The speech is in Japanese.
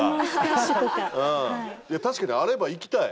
確かにあれば行きたい。